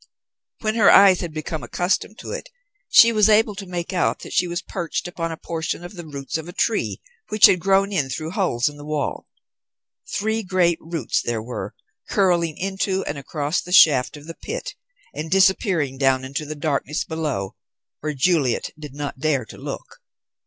When her eyes had become accustomed to it, she was able to make out that she was perched upon a portion of the roots of a tree, which had grown in through holes in the wall. Three great roots there were, curling into and across the shaft of the pit and disappearing down into the darkness below, where Juliet did not dare to look.